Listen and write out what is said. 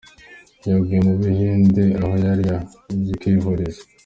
Yaguye mu Buhinde aho yari yagiye kwivuriza.